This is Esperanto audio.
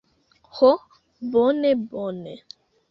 Ho, bone bone.